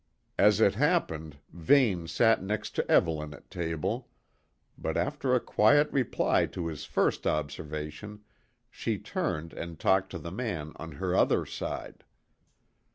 As it happened, Vane sat next to Evelyn at table; but after a quiet reply to his first observation, she turned and talked to the man on her other side.